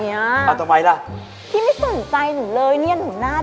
ยกนิ้วโป้งให้เฉียบมาก